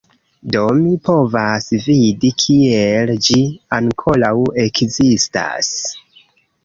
Do, mi povas vidi kiel ĝi ankoraŭ ekzistas